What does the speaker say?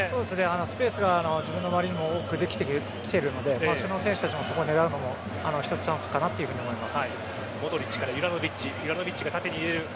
スペースが自分の周りにも多くできてきているので選手たちもそこを狙うのも一つチャンスかなと思います。